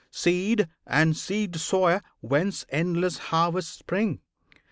Seed and Seed Sower, Whence endless harvests spring!